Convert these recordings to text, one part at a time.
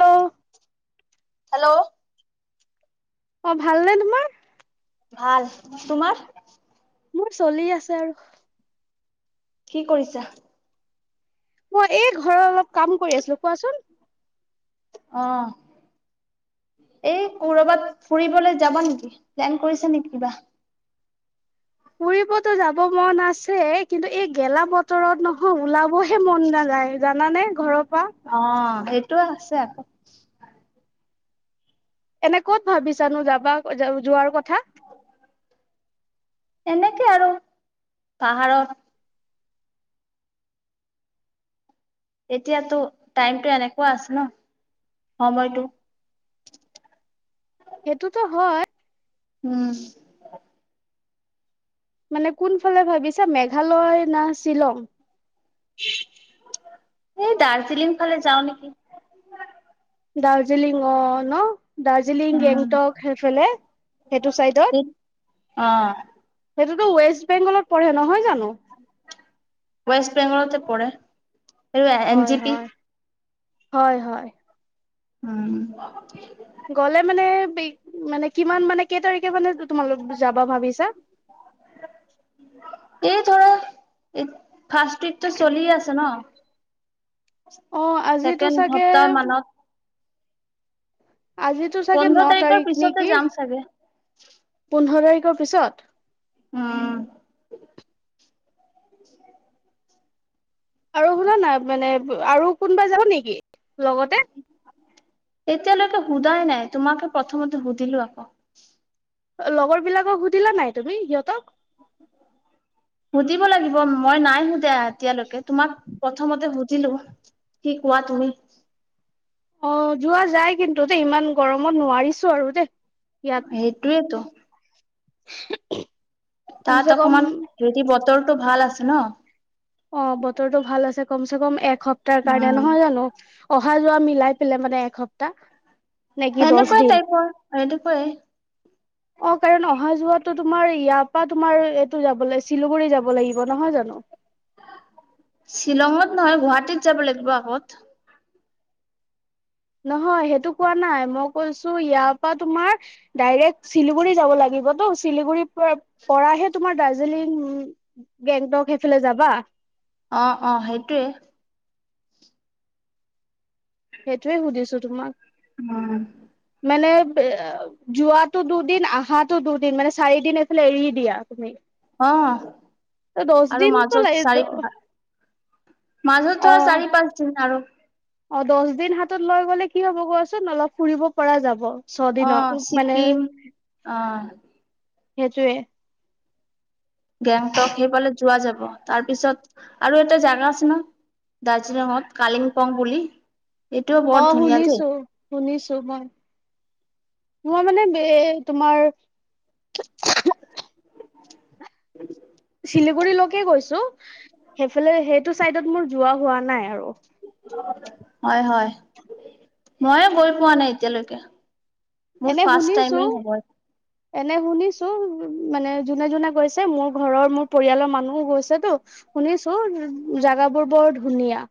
Hello hello. অঁ' ভালনে তোমাৰ? ভাল, তোমাৰ? মোৰ চলি আছে আৰু। কি কৰিছা? মই এই ঘৰৰ অলপ কাম কৰি আছিলো। কোৱাচোন? অঁ। এই ক'ৰবাত ফুৰিবলৈ যাবা নেকি, প্লেন কৰিছা নেকি কিবা? ফুৰিবতো যাব মন আছে কিন্তু এই গেলা বতৰত নহয় ওলাব হে মন নাযায় জানানে ঘৰৰ পৰা। অঁ' সেইটোৱে হৈছে আকৌ। এনে ক'ত ভাবিছানো যাবা যোৱাৰ কথা? এনেকে আৰু পাহাৰত। এতিয়াতো টাইমটো এনেকুৱা আছে ন' সময়তো। সেইটোতো হয়। উমঁ'। মানে কোনফালে ভাবিছা, মেঘালয় না শ্বিলং? এই দাৰ্জিলিং ফালে যাওঁ নেকি। দাৰ্জিলিং অঁ' ন' দাৰ্জিলিং উম, গেংটক সেইফালে সেইটো চাইডত। অঁ। সেইটোতো ওৱেষ্ট বেংগলত পৰে, নহয় জানো? ওৱেষ্ট বেংগলতে পৰে। এই এন হয় জি পি হয়, হয় হয়। উম গ'লে মানে মানে কিমান মানে কেই তাৰিখে মানে তোমালোক যাবা ভাবিছা এই ধৰা এই ফাৰ্ষ্ট উইকটো চলিয়ে আছে ন! অ' আজিতো ছেকেণ্ড চাগে সপ্তাহ মানত আজিতো চাগে ন পোন্ধৰ তাৰিখৰ তাৰিখ পিছতে নেকি যাম চাগে পোন্ধৰ তাৰিখৰ পিছত অ আৰু শুনা না মানে আৰু কোনোবা যাব নেকি লগতে এতিয়ালৈকে সোধাই নাই তোমাকে প্ৰথমতে সুধিলো আকৌ লগৰ বিলাকক সুধিলা নাই তুমি সিহঁতক সুধিব লাগিব মই নাই সোধা এতিয়ালৈকে তোমাক প্ৰথমতে সুধিলো কি কোৱা তুমি অ যোৱা যাই কিন্তু দে ইমান গৰমত নোৱাৰিছো আৰু দে ইয়াত সেইটোৱেটো উ তাত অকমান হেৰি বতৰটো ভাল আছে ন অ' বতৰটো ভাল আছে কমছে কম এক সপ্তাহৰ কাৰণে, উম নহয় জানো অহা যোৱা মিলাই পেলে মানে এসপ্তাহ নে কি দছ এনেকুৱা দিন টাইপৰ এনেকুৱাই অ' কাৰণ অহা যোৱাতো তোমাৰ ইয়াৰ পৰা তোমাৰ এইটো যাবলৈ শিলুগুৰি যাব লাগিব, নহয় জানো শ্বিলঙত নহয়, গুৱাহাটীত যাব লাগিব আগত নহয় সেইটো কোৱা নাই মই কৈছো ইয়াৰ পৰা তোমাৰ ডাইৰেক্ট শিলিগুৰি যাব লাগিব তো শিলিগুৰি পৰাহে তোমাৰ দাৰ্জিলিং উ গেংটক সেইফালে যাবা অ অ সেইটোৱে সেইটোৱে সুধিছো তোমাক উম মানে বে অ যোৱাটো দুদিন আহাতো দুদিন মানে চাৰিদিন এইফালে এৰি দিয়া তুমি অ ত দহ আৰু দিনতো মাজত লাগি চাৰি পাঁচ মাজত অ ধৰা চাৰি পাঁচ দিন আৰু অ দছ দিন হাতত লৈ গ'লে কি হব কোৱাচোন অলপ ফুৰিব পৰা যাব ছ দিন অ মানে অ', সেইটোৱে গেংটক সেইফালে যোৱা যাব তাৰ পিছত আৰু এটা জাগা আছে ন দাৰ্জিলিঙত কালিমপং বুলি এইটোও বৰ অ ধুনীয়া দেই শুনিছো শুনিছো মই মই মানে বে তোমাৰ [unintelligible] শিলিগুৰিলৈকে গৈছো সেইফালে সেইটো চাইডত মোৰ যোৱা হোৱা নাই আৰু হয়, হয় মইয়ে গৈ পোৱা নাই এতিয়ালৈকে মোৰ এনে ফাৰ্ষ্ট শুনিছো টাইমে হব এনে শুনিছো মানে যোনে যোনে গৈছে মোৰ ঘৰৰ মোৰ পৰিয়ালৰ মানুহো গৈছেতো শুনিছো জাগাবোৰ বৰ ধুনীয়া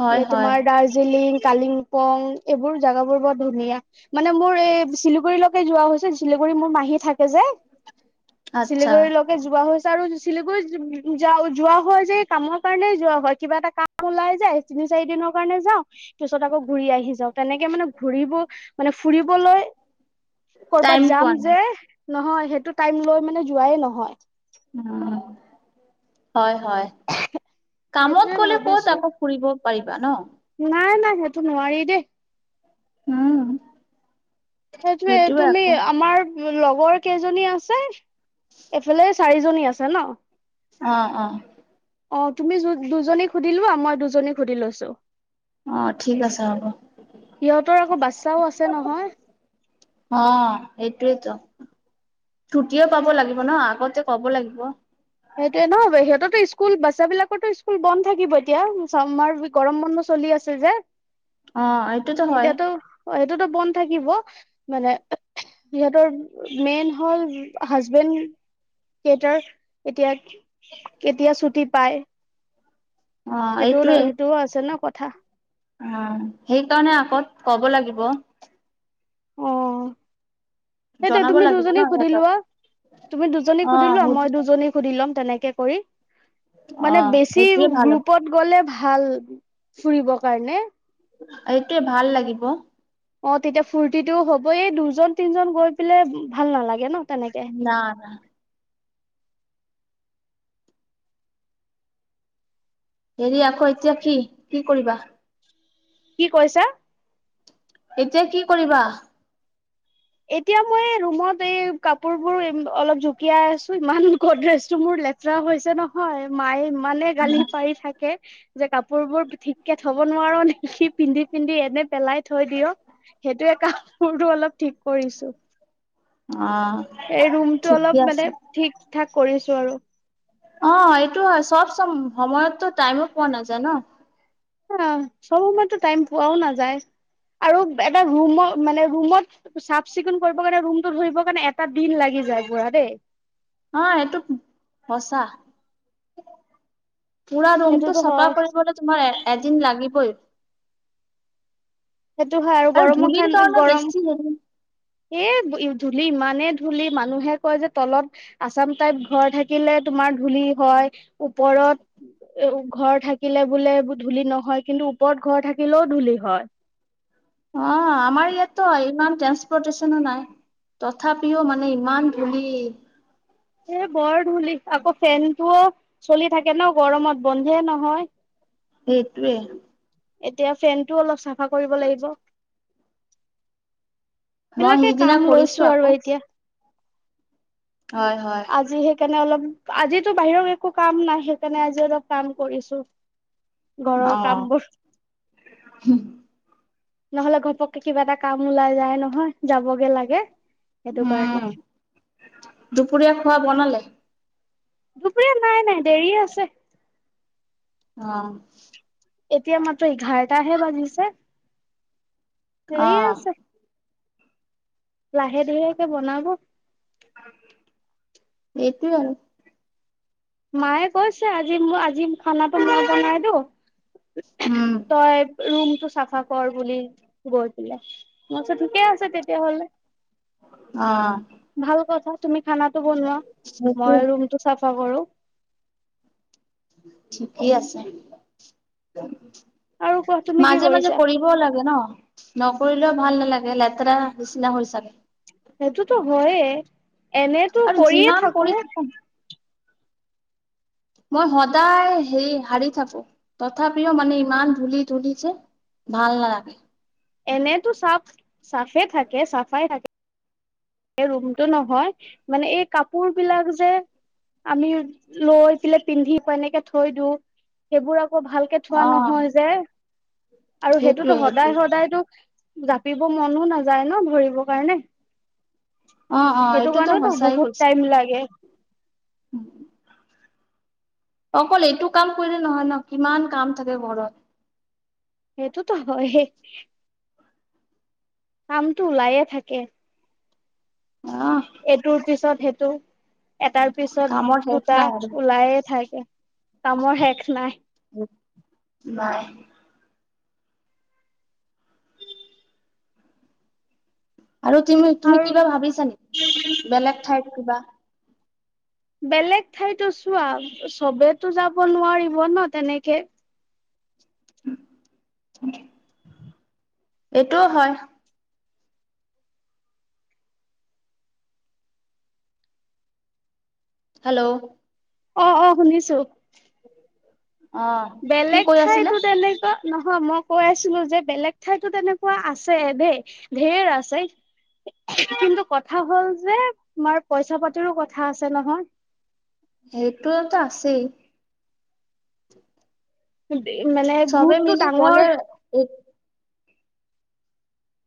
হয় এ, হয় তোমাৰ দাৰ্জিলিং কালিংপং এইবোৰ জাগাবোৰ বৰ ধুনীয়া মানে মোৰ এ চিলিগুৰিলৈকে যোৱা হৈছে চিলিগুৰি মোৰ মাহী থাকে যে আচ্ছা চিলিগুৰিলৈকে যোৱা হৈছে, আৰু শিলিগুৰিত যোৱা হয় যে কামৰ কাৰণেই যোৱা হয় কিবা এটা কাম। ওলাই যায়, তিনি চাৰি দিনৰ কাৰণে যাওঁ পিছত আকৌ ঘূৰি আহি যাও তেনেকে মানে ঘূৰিব। মানে ফুৰিবলৈ টাইম কৰ'বাত পোৱা যাম নাই যে। নহয়, সেইটো টাইম লৈ মানে যোৱাই নহয়। হয়, হয় কামত ক'লে সেইটোয়ে গ'লে ক'ত ভাবিছো আাকৌ। ফুৰিব পাৰিবা ন। নাই, নাই সেইটো নোৱাৰি দেই। অ। সেইটোৱে তুমি আমাৰ। মো লগৰ কেইজনী আছে, এফালে চাৰিজনী আছে ন। অ, অ। অ তুমি যু দুজনী সুধিলোৱা মই দুজনী সুধি লৈছো। অঁ, ঠিক আছে হ'ব। সিহঁতৰ আকৌ বাচ্ছাও আছে নহয় অঁ, সেইটোয়েইেতো ঠুতিয়ে পাব লাগিব ন, আগতে ক'ব লাগিব। সেইটোয়ে ন সিহঁতৰটো স্কুল বাচ্ছ বিলাকৰো স্কুল বন্ধ থাকিব এতিয়া চামাৰ ভে। গৰম বন্ধ চলি আছে যে, অ এইটোতো হয় সেইটোৱেই টো। অঁ, এইটোতো বন্ধ থাকিব মানে। সিহঁতৰ মেইন হ'ল হাজবেণ্ড কেইটাৰ। এতিয়া কেতিয়া ছুটি পায়। অ সেইটোও সেইটোও আছে ন কথা। অঁ, সেইকাৰণে আগত ক'ব লাগিব। অঁ। সেইটোৱে জনাব তুমি লাগিব ন দুজনীক সিহঁতক সুধিলোৱা তুমি দুজনীক অ সুধিলোৱা মই দুজনীক। সুধি লম তেনেকে কৰি, অ মানে বেছি সেইটোৱে ভাল হ'ব গ্ৰুপত। গ'লে ভাল ফুৰিব কাৰণে। এইটোৱে ভাল লাগিব। অঁ, তেতিয়া ফূৰ্তিটো হ'বই দুজন তিনজন গৈ পেলে ভাল নালাগে ন তেনেকে। না, না। হেৰি আকৌ এতিয়া কি কি কৰিবা? কি কৈছা? এতিয়া কি কৰিবা? এতিয়া মই ৰুমত এই কাপোৰ বোৰ অলপ জুকিয়াই আছো, ইমান গড্ৰেছটো মোৰ লে। লেতেৰা হৈছে নহয়, মায়ে ইমানে গালি পাৰি থাকে। যে কাপোৰ বোৰ ঠিক কে থব নোৱাৰো নেকি পিন্ধি পিন্ধি এনে পেলাই থৈ দিঅ। সেইটোয়ে কাপোৰটো অলপ ঠিক কৰিছো। অ এই ৰুমটো ঠিকে অলপ আছে মানে ঠিক, ঠাক কৰিছোঁ আৰু। অঁ, এইটো হয় চব চ, সময়তো টাইমো পোৱা নাযায় ন। অঁ, চব সময়তো টাইম পোৱাও নাযায় আৰু এটা ৰুমত মানে ৰুমত। চাফ চিকুণ কৰিবৰ কাৰণে ৰুমতটো ধৰিবৰ কাৰণে এটা দিন লাগি যায় পুৰা দেই। অঁ, এইটো সঁচা। পুৰা ৰুমটো সেইটোতো চাফা হয় কৰিবলৈ, তোমাৰ এ এদিন লাগিবৈ। সেইটো হয়, আৰু গৰমৰ থা গৰম। হেৰি এ ধূলি ইমানে ধূলি মানুহে কয় যে তলত। আচাম টাইপ ঘৰ থাকিলে তোমাৰ ধূলি হয় ওপৰত। এ ঘৰ থাকিলে বোলে ধূলি নহয় কিন্তু ওপৰত ঘৰ থাকিলেও ধূলি হয়। অ' আমাৰ ইয়াতো ইমান টেস পৰটচনো নাই, তথাপিও মানে ইমান ধুলি। এ বৰ ধূলি, আকৌ ফেনটোও চলি থাকে ন গৰমত বন্ধে নহয়। সেইটোৱে। এতিয়া ফেনতটো অলপ চাফা কৰিব লাগিব। এই মই বিলাকে সিদিনা কাম কৰিছো লৈছো আৰু আকৌ এতিয়া। হয়, হয়। আজি সেইকাৰণে অলপ, আজিটো বাহিৰৰ একো কাম নাই সেইকাৰণে আজি অলপ কাম কৰিছো। ঘৰৰ কাম অ'। বোৰ নহ'লে ঘপককে কিবা এটা কাম ওলাই যায় নহয় যাবগে লাগে, সেইটো উম কাৰণে। দুপৰীয়া খোৱা বনালে? দুুপুৰীয়া নাই নাই দেৰিয়ে হৈছে। অ'। এতিয়া মাত্ৰ এঘাৰটাহে বাজিছে, দেৰি আছে। লাহে ধিয়েকে বনাব। এইটো আৰু। মায়ে কৈছে আজি মোৰ আজি খানাটো মই বনাই দিও, উম তই ৰুম টো চাফা কৰ বুলি গৈ পেলাই, মই কৈছো ঠিকে আছে তেতিয়া হ'লে। অ'। ভাল কথা তুমি খানাটো বনোৱা, সেইটোৱে মই ৰুমটো চাফা কৰো। ঠিকেই আছে। আৰু কোৱা তুমি কি মাজে মাজে কৰিছা? কৰিবও লাগে ন? নকৰিলেও ভাল নালাগে লেতেৰা নিচিনা হৈ চাগে। সেইটোতো হয়য়ে, এনেতো আৰু কৰিয়ে যিমান থাকো। কৰি মই সদায় হেৰি হাৰি থাকো, তথাপিও মানে ইমান ধূলি ধূলি যে? ভাল নালাগে। এনেতো চাফ চাফে থাকে চাফাই থাকে। এই ৰুমতটো নহয়, মানে এই কাপোৰ বিলাক যে আমি লৈ পেলাই পিন্ধি এনেকে থৈ দিওঁ, সেইবোৰ আকৌ ভাল কে থোৱা অ', নহয় যে, আৰু সেইটোৱে সেইটোতো সেইটোৱে সদায় সদায়তো জাপিব মনো নাযায় ন ধৰিবৰ কাৰণে। অ অ সেইটো এইটোতো কাৰণেতো সঁচাই বহুত কৈছে টাইম লাগে। অকল এইটো কাম কৰিলে নহয় ন? কিমান কাম থাকে ঘৰত। সেইটোতো হয়েই। কামটো ওলাইে থাকে। অ'। এইটোৰ পিছত সেইটো। এটাৰ পিছত কামৰ শেষ দুটা, নাই আৰু ওলাইে থাকে কামৰ শেষ নাই। নাই। আৰু তুমি তুমি আৰু কিবা ভাবিছা নেকি বেলেগ ঠাইত কিবা? বেলেগ ঠাইতো চোৱা চবেত যাব নোৱাৰিব ন তেনেকে। এইটোও হয়। হেল্ল'? অ', অ' শুনিছো। অ', কি বেলেগ কৈ আছিলা থাইতো তেনেকুৱা নহয় মই কৈ আছিলো যে বেলেগ ঠাইতো তেনেকুৱা আছে দেই ধেৰ আছে- কিন্তু, কথা হ'ল যে তোমাৰ পইচা পাতিৰো কথা আছে নহয়। সেইটোতো আছেই। দে মানে গ্ৰুপটো ডাঙৰ- ইক-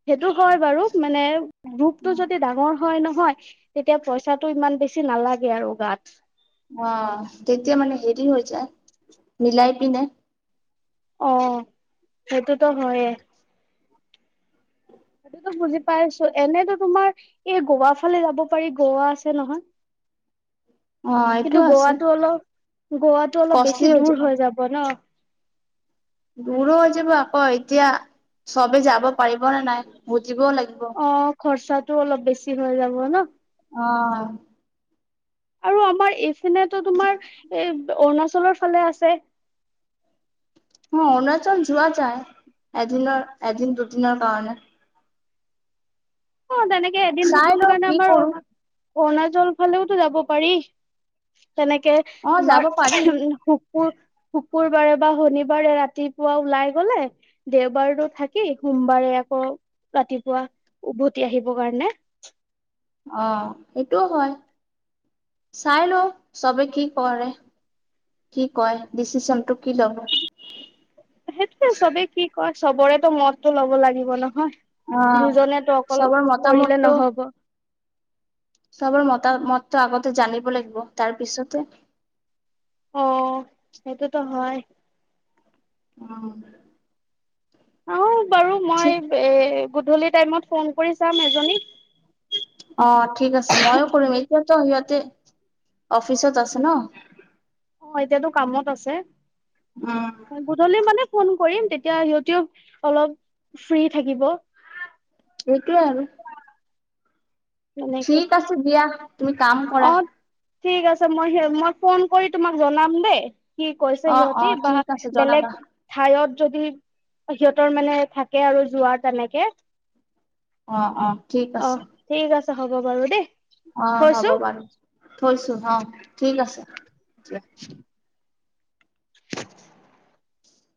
সেইটো হয় বাৰু মানে ৰূপটো যদি ডাঙৰ- হয় নহয় তেতিয়া পইচাটো ইমান বেছি নালাগে আৰু গাত। অঁ তেতিয়া মানে হেৰি হৈ যায় মিলাই পিনে- অঁ সেইটোতো হয়ে। সেইটোটো বুজি পাইছো এনেইতো তোমাৰ- এ গোৱা ফালে যাব পাৰি গোৱা আছে নহয়। অ এইটো কিন্তু, আছে গোৱাতটো অলপ গোৱাটো অলপ বেছি দূৰ হৈ যাব ন। দূৰো হৈ যাব আকৌ এতিয়া চবে যাব পাৰিবনে নাই বুজিবও লাগিব। অঁ খৰচাতো অলপ বেছি হৈ যাব ন। অঁ' আৰু আমাৰ এইপিনেতো তোমাৰ এ অৰুণাচলৰ ফালে আছে। অঁ অৰুণাচল যোৱা যায় এদিনৰ এদিন দুদিনৰ কাৰণে। অঁ তেনেকে এদিন চাই দুদিনৰ লওঁ কাৰণে কি আমাৰ কৰো অৰুণা অৰুণাচল ফালেওতো যাব পাৰি। তেনেকে অ যাব তোমাৰ পাৰিম শোক- শুৰ শুকুৰবাৰে বা শনিবাৰে ৰাতিপুৱা ওলাই গলে- দেওবাৰতো থাকেই সোমবাৰে আকৌ ৰাতিপুৱা উভতি আহিবৰ কাৰণে। অঁ সেইটোও হয় চাই লওঁ চবে কি কৰে? কি কয় ডিচিশন টো কি ল'ব? সেইটোৱে চবে কি কয় চবৰেতো মদতো লব লাগিব অ নহয়। দুজনে তো অকল চবৰ কৰিলে মতামতটো নহব। চবৰ মতা মতটো আগতে জানিব লাগিব তাৰ পিছতে- অঁ সেইটোতো হয়। অঁ' অঁ বাৰু মই ঠিক এ গধূলি টাইমত ফোন কৰি চাম এজনীক। অঁ ঠিক আছে ময়ো কৰিম এতিয়াতো সিহঁতে অফিচত আছে ন। অঁ' এতিয়াতো কামত আছে। উম' গোধূলি মানে ফোন কৰিম, তেতিয়া সিহঁতিও অলপ ফ্ৰী থাকিব। সেইটোৱে আৰু। তেনেকে ঠিক আছে দিয়া, তুমি কাম কৰা। অ ঠিক আছে, মই সে মই ফোন কৰি তোমাক জনাম দেই। সি কৈছে অ অ সিহঁতি বা ঠিক আছে জনাবা বেলেগ- ঠাইয়ত যদি সিহঁতৰ মানে থাকে আৰু যোৱাৰ তেনেকে- অঁ অঁ ঠিক অ আছে। ঠিক আছে হ'ব বাৰু দেই। অঁ হ'ব থৈছো বাৰু থৈছো অঁ ঠিক আছে দিয়া। [unintelligible] [inaudible]